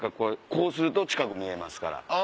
こうすると近く見えますから。